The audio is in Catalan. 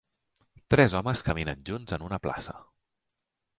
Tres homes caminen junts en una plaça